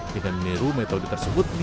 dengan meniru metode tersebut berhasil